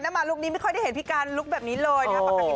มาลูกนี้ไม่ค่อยได้เห็นพี่การลุคแบบนี้เลยนะครับปกติ